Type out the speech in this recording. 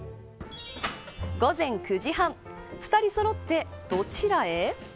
午前９時半２人そろってどちらへ。